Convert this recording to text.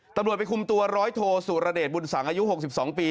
ตำรวจไปคุมตัวร้อยโทสุรเดชบุญสังอายุ๖๒ปี